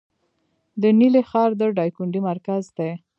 د نیلي ښار د دایکنډي مرکز دی